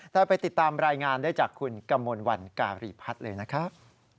เราไปติดตามรายงานได้จากคุณกมลวันการีพัฒน์เลยนะครับ